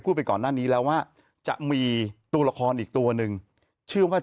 ไปก่อนหน้านี้แล้วว่าจะมีตัวละครอีกตัวหนึ่งชื่อว่า